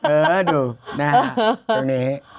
เออดูตรงนี้